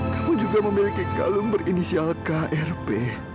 kamu juga memiliki kalung berinisial krp